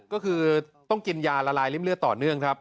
ก็คือต้องกินยาละลายริ่มเลือดต่อเนื่องครับ